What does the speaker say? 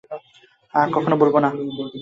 আর কখনো বলব না।